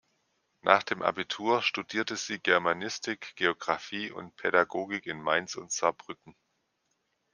Nach dem Abitur studierte sie Germanistik, Geografie und Pädagogik in Mainz und Saarbrücken.